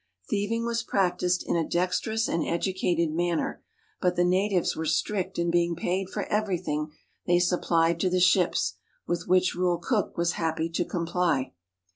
Thiev ing was practiced in a dexterous and educated manner, but the natives were strict in being paid for everything they suppHed to the ships, with which rule Cook was happy to comply.